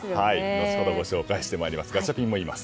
後ほど、ご紹介してまいります。